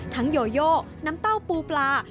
โยโยน้ำเต้าปูปลา